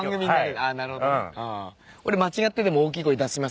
俺間違ってでも大きい声出しませんように。